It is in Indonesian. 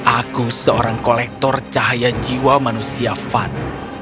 aku seorang kolektor cahaya jiwa manusia van